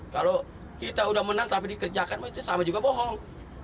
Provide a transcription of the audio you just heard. kalau kita udah menang tapi dikerjakan itu sama juga bohong